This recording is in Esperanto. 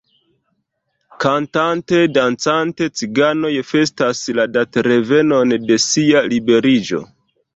Kantante, dancante, ciganoj festas la datrevenon de sia liberiĝo.